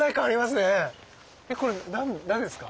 えっこれ何ですか？